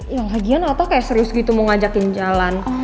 yang lagian atau kayak serius gitu mau ngajakin jalan